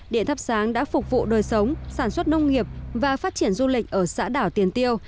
điện thắp sáng đã phục vụ đời sống sản xuất nông nghiệp và phát triển du lịch ở xã đảo tiền tiêu